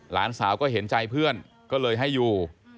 หลานสาวก็เห็นใจเพื่อนก็เลยให้อยู่